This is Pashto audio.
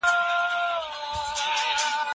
یوه وینا په منطق سره غلطه ثابته سوه.